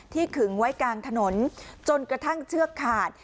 ขึงไว้กลางถนนจนกระทั่งเชือกขาด